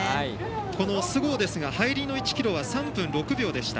この須郷ですが入りの１ｋｍは３分６秒でした。